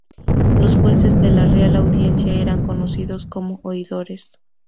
Los jueces de la Real Audiencia, eran conocidos como oidores.